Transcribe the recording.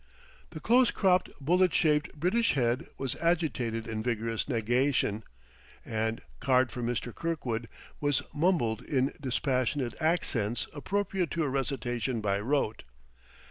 The close cropped, bullet shaped, British head was agitated in vigorous negation, and "Card for Mister Kirkwood!" was mumbled in dispassionate accents appropriate to a recitation by rote.